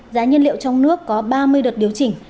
giá nhiên liệu trong nước có ba mươi đợt điều chỉnh